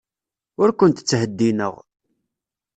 Ur kent-ttheddineɣ.